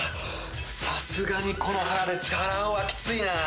さすがにこの腹でチャラ男はきついな。